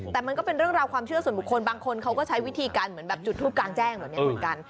แต่มันก็เป็นเรื่องราวความเชื่อส่วนบุคคลบางคนเขาก็ใช้วิธีการเหมือนแบบจุดทูปกลางแจ้งแบบนี้เหมือนกัน